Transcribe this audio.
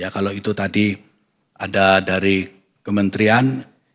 kalau itu tadi ada dari kementerian